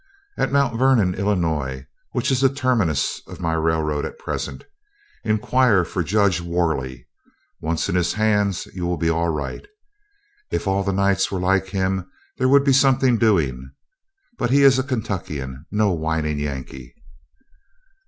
"At Mount Vernon, Illinois, which is the terminus of my railroad at present. Inquire for Judge Worley. Once in his hands, you will be all right. If all the Knights were like him there would be something doing; but he is a Kentuckian, no whining Yankee."